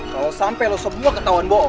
kalo sampe lo semua ketauan bohong